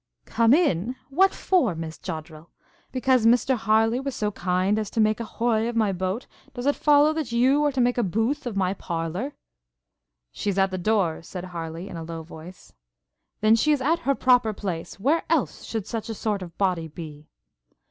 'Come in? What for, Miss Joddrel? Because Mr Harleigh was so kind as to make a hoy of my boat, does it follow that you are to make a booth of my parlour?' 'She is at the door!' said Harleigh, in a low voice. 'Then she is at her proper place; where else should such a sort of body be?'